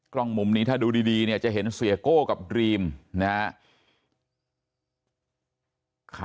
กล้องมุมนี้ถ้าดูดีจะเห็นเสียโก้กับดรีมนะครับ